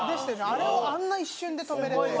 あれをあんな一瞬で止められてた。